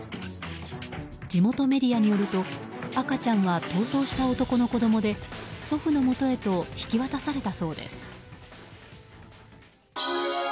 地元メディアによると赤ちゃんは、逃走した男の子供で祖父のもとへと引き渡されたそうです。